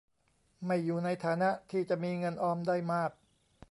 ไม่อยู่ในฐานะที่จะมีเงินออมได้มาก